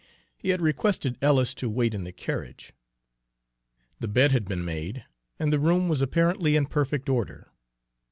He had requested Ellis to wait in the carriage. The bed had been made, and the room was apparently in perfect order.